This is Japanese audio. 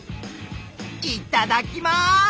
いただきます！